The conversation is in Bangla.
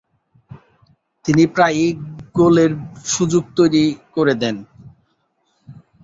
তিনি প্রায়ই গোলের সুযোগ তৈরি করে দেন।